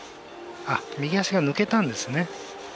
右足が抜けたんですね。